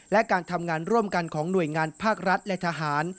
และการทำงานร่วมกันของหน่วยงานภาครัฐและทหาร